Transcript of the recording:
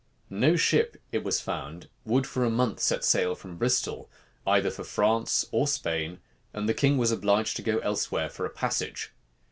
No ship, it was found, would for a month set sail from Bristol, either for France or Spain, and the king was obliged to go elsewhere for a passage.